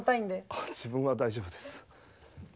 あ自分は大丈夫です。